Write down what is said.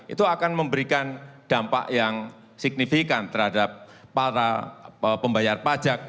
itu akan memberikan dampak yang signifikan terhadap para pembayar pajak